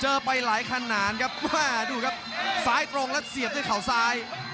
ไปหลายขนาดครับมาดูครับซ้ายตรงแล้วเสียบด้วยเขาซ้าย